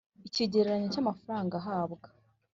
Ikigereranyo cy amafaranga ahabwa